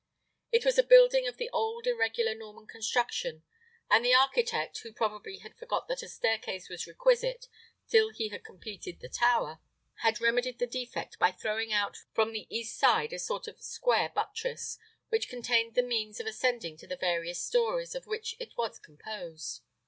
It was a building of the old irregular Norman construction; and the architect, who probably had forgot that a staircase was requisite till he had completed the tower, had remedied the defect by throwing out from the east side a sort of square buttress, which contained the means of ascending to the various stories of which it was composed.